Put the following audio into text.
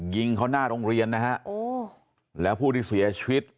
ยิงเขาหน้าโรงเรียนนะฮะโอ้แล้วผู้ที่เสียชีวิต